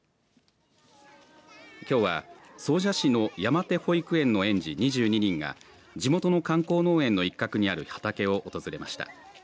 きょうは総社市の山手保育園の園児２２人が地元の観光農園の一角にある畑を訪れました。